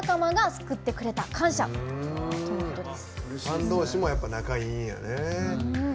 ファン同士もやっぱ仲いいんやね。